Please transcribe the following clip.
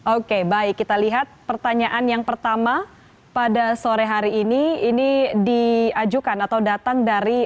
oke baik kita lihat pertanyaan yang pertama pada sore hari ini ini diajukan atau datang dari